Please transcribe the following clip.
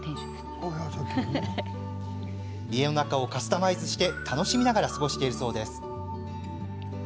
家の中をカスタマイズして楽しみながら過ごしているそうです。